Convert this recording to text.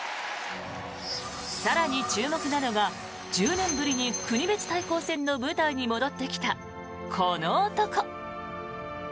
更に、注目なのが１０年ぶりに国別対抗戦の舞台に戻ってきたこの男。